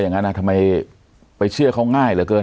อย่างนั้นทำไมไปเชื่อเขาง่ายเหลือเกิน